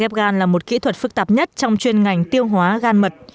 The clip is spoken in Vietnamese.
ghép gan là một kỹ thuật phức tạp nhất trong chuyên ngành tiêu hóa gan mật